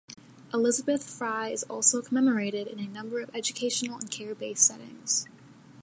Elizabeth Fry is also commemorated in a number of educational and care-based settings.